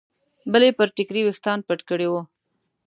بلې پر ټیکري ویښتان پټ کړي وو.